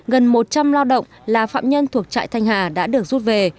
gần một trăm linh lao động là phạm nhân thuộc trại thanh hà đã được rút về